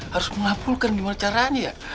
harus mengabulkan gimana caranya ya